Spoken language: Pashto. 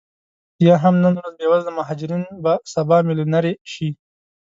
یا هم نن ورځ بې وزله مهاجرین به سبا میلیونرې شي